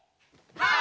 はい。